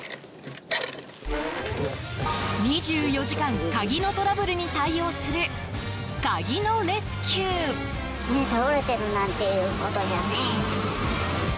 ２４時間鍵のトラブルに対応する鍵のレスキュー。